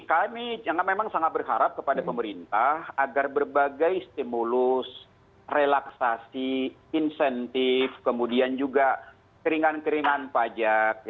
kami memang sangat berharap kepada pemerintah agar berbagai stimulus relaksasi insentif dan juga kemampuan untuk memperbaiki kemampuan ini